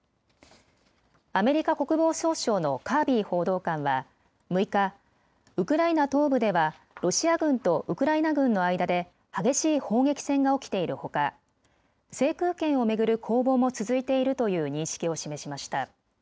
アメリカ国防総省のカービー報道官は６日、ウクライナ東部ではロシア軍とウクライナ軍の間で激しい砲撃戦が起きているほか制空権を巡る攻防も続いているという認識を示しました。